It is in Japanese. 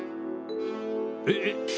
えっ？